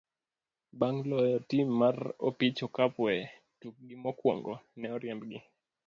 bang' loyo tim mar opich okapu e tukgi mokwongo, ne oriembgi.